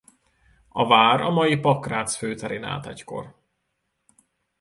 A vár a mai Pakrác főterén állt egykor.